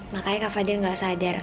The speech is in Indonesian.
makanya kak fadil nggak sadar